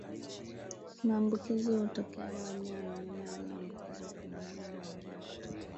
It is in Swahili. Maambukizi hutokea baada ya mnyama aliyeambukizwa kumuuma mwingine